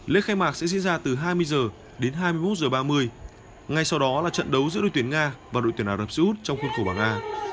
lễ khai mạc sẽ diễn ra từ hai mươi h đến hai mươi một h ba mươi ngay sau đó là trận đấu giữa đội tuyển nga và đội tuyển ả rập xê út trong khuôn khổ bảng nga